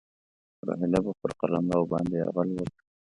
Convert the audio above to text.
روهیله به پر قلمرو باندي یرغل وکړي.